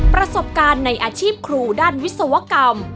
ประสบการณ์ในอาชีพครูด้านวิศวกรรม